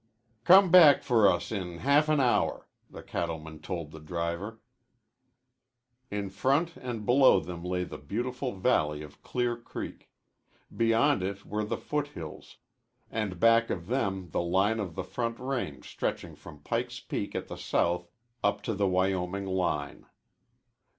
"Come back for us in half an hour," the cattleman told the driver. In front and below them lay the beautiful valley of Clear Creek. Beyond it were the foothills, and back of them the line of the Front Range stretching from Pike's Peak at the south up to the Wyoming line.